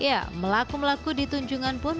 ya melaku melaku di tunjungan pun